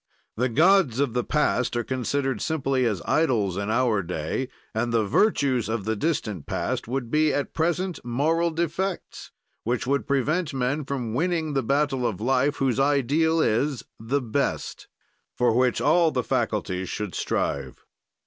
"The gods of the past are considered simply as idols in our day and the virtues of the distant past would be, at present, moral defects which would prevent men from winning the battle of life, whose ideal is The Best for which all the faculties should strive."